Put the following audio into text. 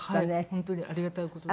本当にありがたい事で。